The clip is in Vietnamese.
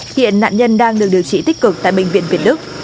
hiện nạn nhân đang được điều trị tích cực tại bệnh viện việt đức